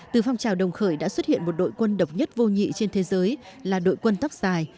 từ phong trào đồng khởi đã xuất hiện một đội quân độc nhất vô nhị trên thế giới là đội quân tóc dài